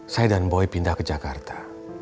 saya dan boy pindah ke jakarta